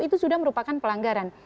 itu sudah merupakan pelanggaran